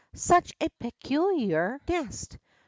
Such a peculiar nest